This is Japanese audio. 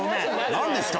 何ですか？